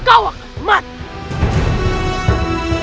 kau akan mati